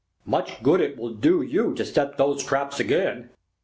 "Much good it will do you to set those traps again!"